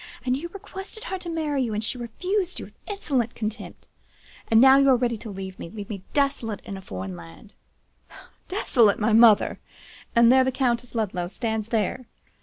But you requested her to marry you,—and she refused you with insolent contempt; and now you are ready to leave me,—leave me desolate in a foreign land—' "'Desolate! my mother! and the Countess Ludlow stands there!